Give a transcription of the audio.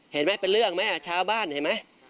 เห็นมั้ยเป็นเรื่องมั้ยชาวบ้านเห็นมั้ย